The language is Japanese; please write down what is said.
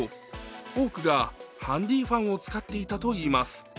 多くがハンディファンを使っていたといいます。